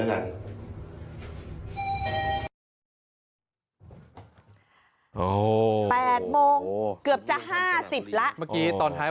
เกือบจะ๕๐แล้ว